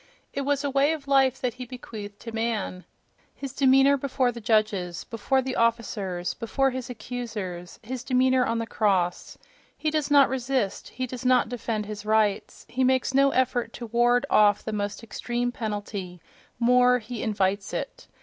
It was a way of life that he bequeathed to man: his demeanour before the judges, before the officers, before his accusers—his demeanour on the cross. He does not resist; he does not defend his rights; he makes no effort to ward off the most extreme penalty—more, he invites it....